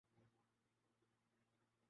ترتیب اور باقاعدگی پسند کرتا ہوں